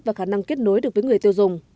và khả năng kết nối được với người tiêu dùng